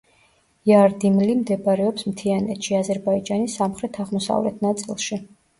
იარდიმლი მდებარეობს მთიანეთში, აზერბაიჯანის სამხრეთ-აღმოსავლეთ ნაწილში.